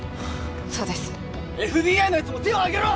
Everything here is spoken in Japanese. そうですＦＢＩのやつも手をあげろ！